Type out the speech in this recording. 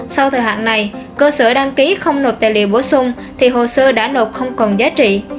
sau thời hạn này cơ sở đăng ký không nộp tài liệu bổ sung thì hồ sơ đã nộp không còn giá trị